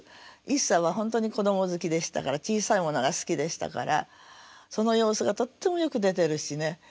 一茶は本当に子ども好きでしたから小さいものが好きでしたからその様子がとってもよく出てるしね。